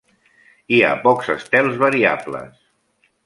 Hi ha pocs estels variables.